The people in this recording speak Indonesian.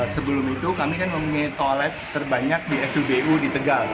sebelum itu kami kan memiliki toilet terbanyak di spbu di tegal